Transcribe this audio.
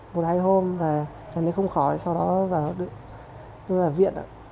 một hai hôm và trả lời không khó sau đó vào viện